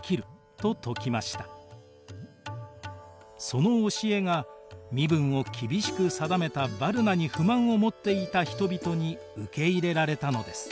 その教えが身分を厳しく定めたヴァルナに不満を持っていた人々に受け入れられたのです。